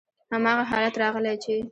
هماغه حالت راغلی چې: